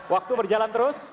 waktu berjalan terus